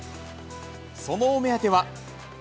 そのお目当ては。